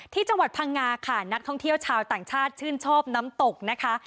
ที่จังหวัดพังงาค่ะนักท่องเที่ยวชาวต่างชาติชื่นชอบน้ำตกนะคะ